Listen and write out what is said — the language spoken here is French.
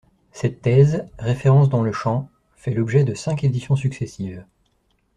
Cette thèse, référence dans le champ, fait l’objet de cinq éditions successives.